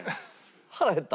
腹減った？